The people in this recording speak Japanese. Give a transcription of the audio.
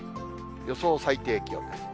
予想最低気温です。